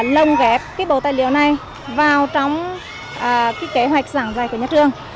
lồng ghép bộ tài liệu này vào trong kế hoạch giảng dạy của nhà trường